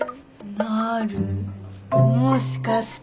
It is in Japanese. なるもしかして。